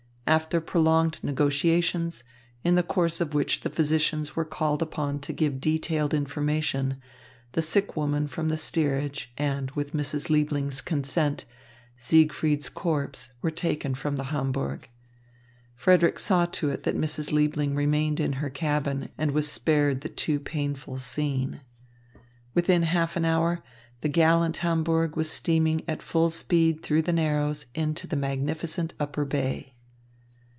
After prolonged negotiations, in the course of which the physicians were called upon to give detailed information, the sick woman from the steerage and, with Mrs. Liebling's consent, Siegfried's corpse were taken from the Hamburg. Frederick saw to it that Mrs. Liebling remained in her cabin and was spared the too painful scene. Within half an hour, the gallant Hamburg was steaming at full speed through the Narrows into the magnificent Upper Bay.